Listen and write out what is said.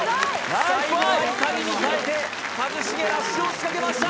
最後は痛みに耐えて一茂ラッシュを仕掛けました